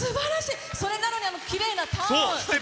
それなのにきれいなターン。